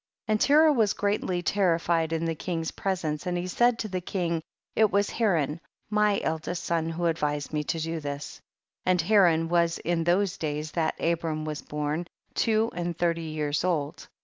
16. And Terah was greatly terri fied in the king's presence, and he said to the king, it was Haran ?nt/ eldest son who advised me to this ; and Haran was in those days that Abram was born, two and thirty years old.